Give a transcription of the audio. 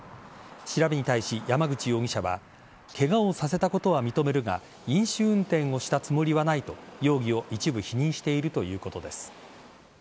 調べに対し、山口容疑者はケガをさせたことは認めるが飲酒運転をしたつもりはないと容疑を一部否認しているということです。